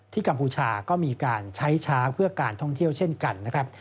กัมพูชาก็มีการใช้ช้างเพื่อการท่องเที่ยวเช่นกันนะครับ